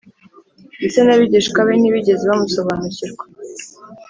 . Ndetse n’abigishwa be ntibigeze bamusobanukirwa.